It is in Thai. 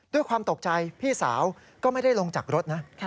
ด้วยความตกใจพี่สาวก็ไม่ได้ลงจากรถนะ